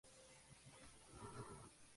Tiene el diminutivo de Nadia.